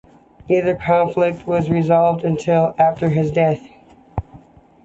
Neither conflict was resolved until after his death.